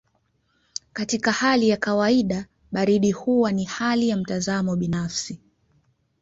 Katika hali ya kawaida baridi huwa ni hali ya mtazamo binafsi.